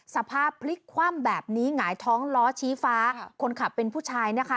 สภาพพลิกคว่ำแบบนี้หงายท้องล้อชี้ฟ้าคนขับเป็นผู้ชายนะคะ